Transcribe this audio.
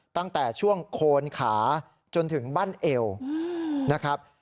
ตั้งแต่ช่วงโคนขาจนถึงบั้นเอวนะครับ